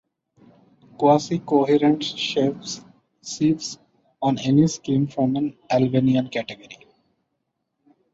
Quasi-coherent sheaves on any scheme form an abelian category.